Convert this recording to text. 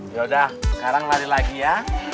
yaudah sekarang lari lagi ya